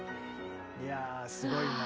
いやすごいな。